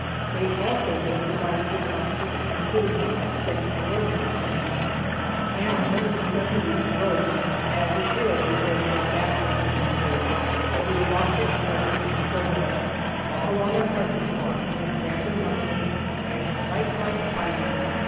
They also were provided with muskets and accouterments the same as ordinary soldiers, and when the necessity arose, (as it did before we got back to Murfreesboro,) they would drop their sledges and crowbars, buckle on their cartridge boxes and grab their muskets, and fight like tigers.